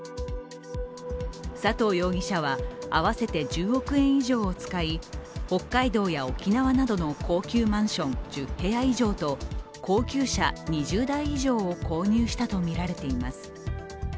佐藤容疑者は合わせて１０億円以上を使い、北海道や沖縄などの高級マンション１０部屋以上と高級車２０台以上を購入したとみられています。